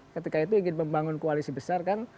ketika itu ingin membangun koalisi besar kan